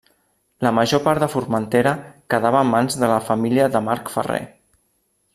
La major part de Formentera quedava en mans de la família de Marc Ferrer.